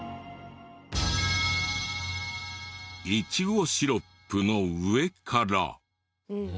いちごシロップの上から。